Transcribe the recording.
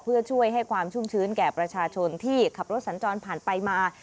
เพื่อช่วยให้ความชุ่มชื้นแก่ประชาชนที่ขับรถสัญจรผ่านไปมา